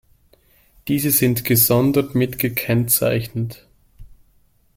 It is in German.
Diese sind gesondert mit gekennzeichnet.